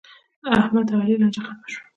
د احمد او علي لانجه ختمه شوه.